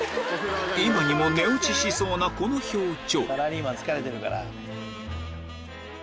今にも寝落ちしそうなこの表情